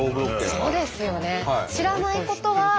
そうですよね。